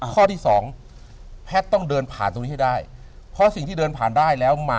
ข้อที่สองแพทย์ต้องเดินผ่านตรงนี้ให้ได้เพราะสิ่งที่เดินผ่านได้แล้วมา